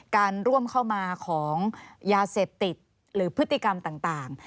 การร่วมเข้ามาของยาเสพติดหรือพฤติกรรมต่าง